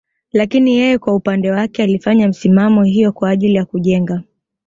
Lakini yeye kwa upande wake alifanya misimamo hiyo kwa ajili ya kujenga